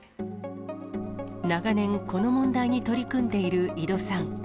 長年、この問題に取り組んでいる井戸さん。